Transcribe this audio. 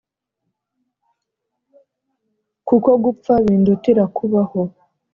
kuko gupfa bindutira kubaho